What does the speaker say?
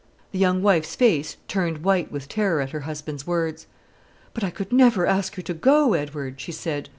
The young wife's face turned white with terror at her husband's words. "But I could never ask her to go, Edward," she said.